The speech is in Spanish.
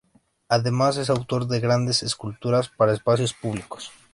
Además es autor de grandes esculturas para espacios públicos.